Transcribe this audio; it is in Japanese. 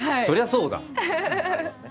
そりゃそうだ。